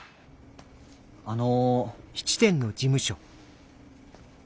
あの。